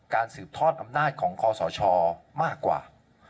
สืบทอดอำนาจของคอสชมากกว่า